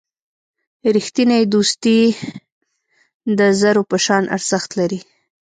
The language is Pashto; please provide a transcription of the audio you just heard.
رښتینی دوستي د زرو په شان ارزښت لري.